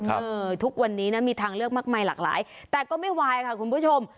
เออทุกวันนี้นะมีทางเลือกมากมายหลากหลายแต่ก็ไม่วายค่ะคุณผู้ชม